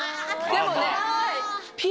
でもね。